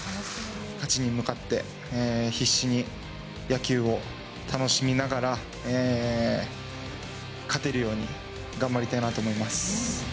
勝ちに向かって、必死に野球を楽しみながら、勝てるように頑張りたいなと思います。